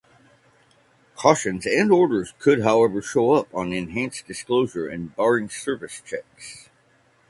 Cautions and orders could however show up on enhanced Disclosure and Barring Service checks.